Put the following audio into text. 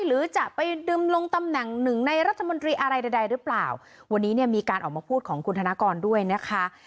หรือจะไปดึงลงตำแหน่งหนึ่งในรัฐมนตรีอะไรใดหรือเปล่าวันนี้เนี่ยมีการออกมาพูดของคุณธนกรด้วยนะคะ